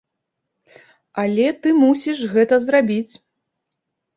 Але ты мусіш гэта зрабіць.